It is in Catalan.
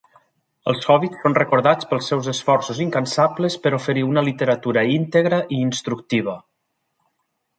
Els Howitts són recordats pels seus esforços incansables per oferir una literatura íntegra i instructiva.